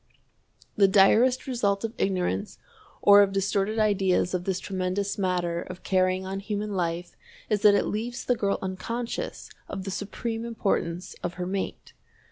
The direst result of ignorance or of distorted ideas of this tremendous matter of carrying on human life is that it leaves the girl unconscious of the supreme importance of her mate.